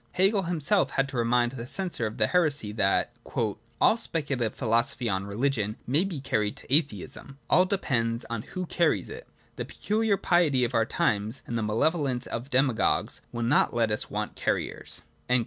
Hegel himself had to remind the censor of heresy that ' all speculative philosophy on religion may be carried to atheism : all depends on who carries it ; the peculiar piety of our times and the male volence of demagogues will not let us want carriers